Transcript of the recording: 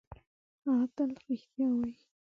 هغه تل رښتیا وايي.